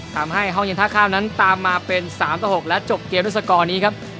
ทำให้ห้องเย็นท่าข้ามนั้นตามมาเป็น๓ต่อ๖และจบเกมด้วยสกอร์นี้ครับ